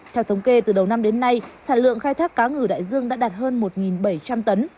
theo thống kê từ đầu năm đến nay sản lượng khai thác cá ngừ đại dương đã đạt hơn một bảy trăm linh tấn